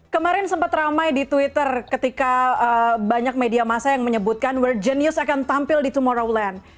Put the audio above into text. kemarin sempat ramai di twitter ketika banyak media masa yang menyebutkan world genius akan tampil di tomorrowland